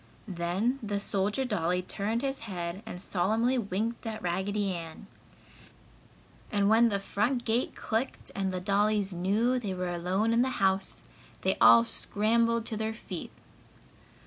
Then the soldier dolly turned his head and solemnly winked at Raggedy Ann. And when the front gate clicked and the dollies knew they were alone in the house, they all scrambled to their feet.